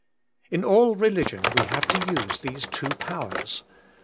In all religion we have to use these two powers.